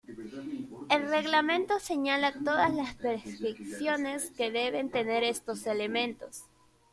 El reglamento señala todas las prescripciones que deben tener estos elementos.